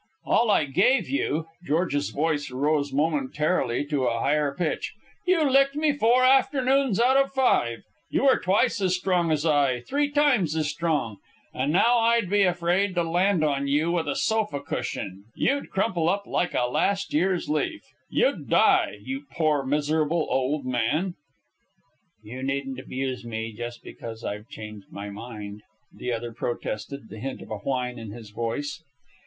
"All I gave you!" George's voice rose momentarily to a higher pitch. "You licked me four afternoons out of five. You were twice as strong as I three times as strong. And now I'd be afraid to land on you with a sofa cushion; you'd crumple up like a last year's leaf. You'd die, you poor, miserable old man." "You needn't abuse me just because I've changed my mind," the other protested, the hint of a whine in his voice.